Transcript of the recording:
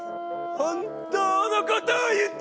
「本当のことを言って！」。